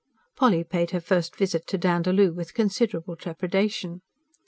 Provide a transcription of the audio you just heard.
Polly paid her first visit to Dandaloo with considerable trepidation.